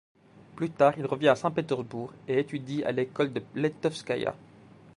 Plus tard, il revient à Saint-Pétersbourg et étudie à l'école de Lentovskaïa.